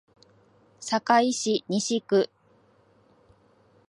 堺市西区